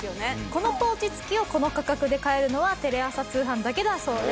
このポーチ付きをこの価格で買えるのはテレ朝通販だけだそうです。